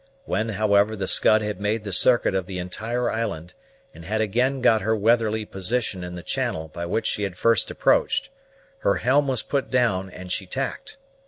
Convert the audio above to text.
When, however, the Scud had made the circuit of the entire island, and had again got her weatherly position in the channel by which she had first approached, her helm was put down, and she tacked.